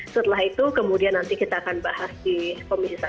setelah itu kemudian nanti kita akan bahas di komisi satu